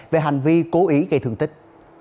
về hành vi cố ý gây thương tích